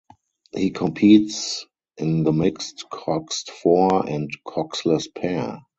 He competes in the mixed coxed four and coxless pair.